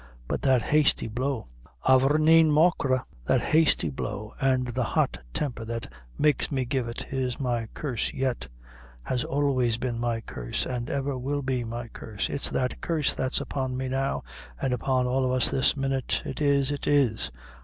but that hasty blow, avourneen machree that hasty blow an' the hot temper that makes me give it, is my curse yet, has always been my curse, an' ever will be my curse; it's that curse that's upon me now, an' upon all of us this minute it is, it is!"